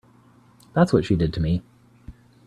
That's what she did to me.